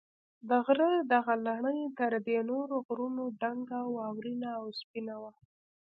د غره دغه لړۍ تر دې نورو غرونو دنګه، واورینه او سپینه وه.